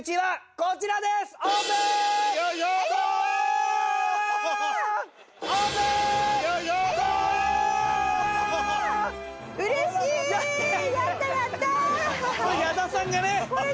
これ矢田さんがね。